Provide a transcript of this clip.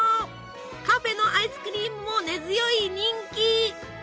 カフェのアイスクリームも根強い人気！